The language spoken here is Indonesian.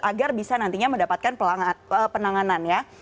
agar bisa nantinya mendapatkan penanganan ya